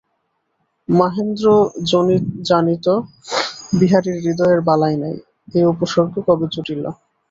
মহেন্দ্র জানিত বিহারীর হৃদয়ের বালাই নাই –এ উপসর্গ কবে জুটিল।